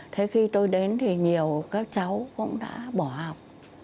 thế khi tôi đến thì nhiều các cháu cũng đã bỏ học